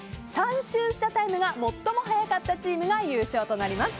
３周したタイムが最も速かったチームが優勝となります。